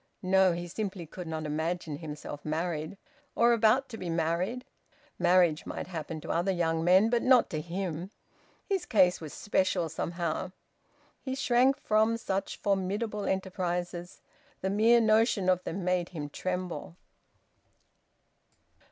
No! He simply could not imagine himself married, or about to be married. Marriage might happen to other young men, but not to him. His case was special, somehow... He shrank from such formidable enterprises. The mere notion of them made him tremble.